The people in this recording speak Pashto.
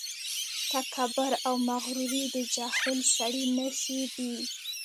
تکبر او مغروري د جاهل سړي نښې دي.